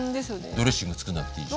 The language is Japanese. ドレッシングつくんなくていいでしょ？